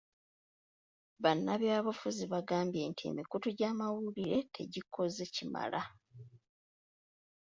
Bannabyafuzi baagambye nti emikutu gy'amawulire si tegikola kimala.